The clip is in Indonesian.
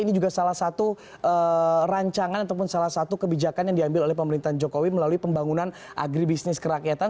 ini juga salah satu rancangan ataupun salah satu kebijakan yang diambil oleh pemerintahan jokowi melalui pembangunan agribisnis kerakyatan